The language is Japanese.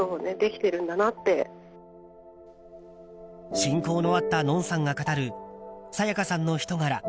親交のあったＮＯＮさんが語る沙也加さんの人柄。